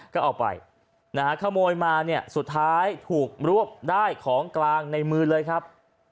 ก็เอาไปนะฮะขโมยมาเนี่ยสุดท้ายถูกรวบได้ของกลางในมือเลยครับ